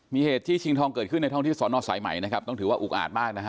มีเหตุที่ชิงทองเกิดขึ้นในท้องที่สอนอสายใหม่นะครับต้องถือว่าอุกอาจมากนะฮะ